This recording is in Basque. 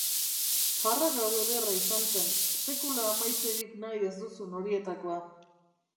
Farra-gau ederra izan zen, sekula amaitzerik nahi ez duzun horietakoa.